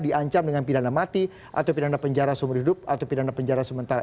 diancam dengan pidana mati atau pidana penjara seumur hidup atau pidana penjara sementara